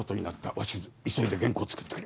鷲津急いで原稿作ってくれ。